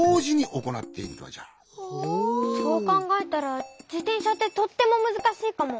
そうかんがえたらじてんしゃってとってもむずかしいかも。